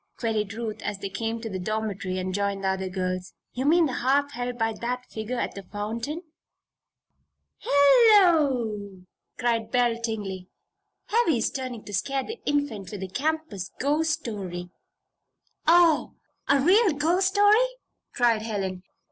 queried Ruth, as they came to the dormitory and joined the other girls. "You mean the harp held by that figure at the fountain?" "Hello!" cried Belle Tingley. "Heavy's trying to scare the Infant with the campus ghost story." "Oh! a real ghost story!" cried Helen.